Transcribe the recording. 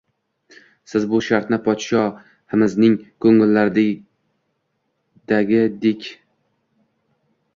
Siz bu shartni podshohimizning ko`ngillaridagidekba